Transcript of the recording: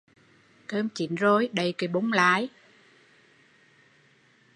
Cơm chín rồi, đậy cái bung lại